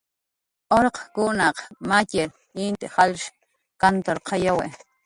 Urqkunaq matxir int jalsh kanturqayawi